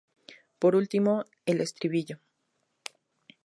Por último, el estribillo.